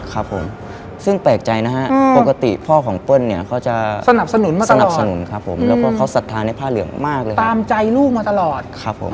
ครับผมซึ่งแปลกใจนะฮะปกติพ่อของเปิ้ลเนี่ยเขาจะสนับสนุนมาตลอด